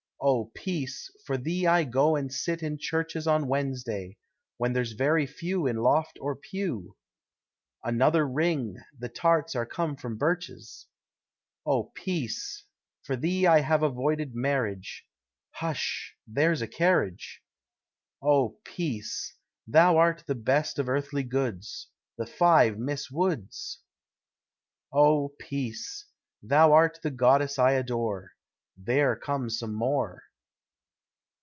Oh Peace! for thee I go and sit in churches On Wednesday, when there's very few In loft or pew Another ring, the tarts are come from Birch's. Oh Peace! for thee I have avoided marriage Hush! there's a carriage. Oh Peace! thou art the best of earthly goods The five Miss Woods! Oh Peace! thou art the goddess I adore There come some more.